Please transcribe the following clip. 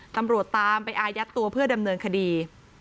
ตำรวจตามไปอายัดตัวเพื่อดำเนินคดี